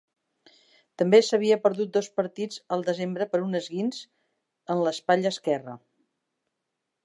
També s'havia perdut dos partits al desembre per un esquinç en l'espatlla esquerra.